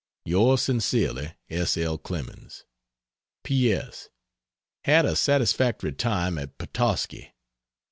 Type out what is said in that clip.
Yours sincerely, S. L. CLEMENS. P. S. Had a satisfactory time at Petoskey.